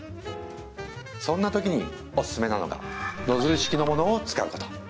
そんなときにおすすめなのがノズル式のものを使うこと